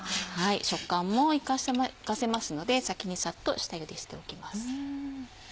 食感も生かせますので先にサッと下ゆでしておきます。